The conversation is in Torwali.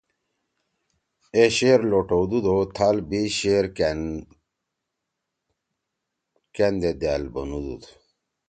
اے شعر لوٹؤدُود او تھال بیِش شعر کأن دے دأل بنُودُود